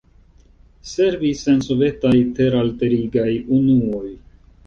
Servis en sovetaj teralterigaj unuoj.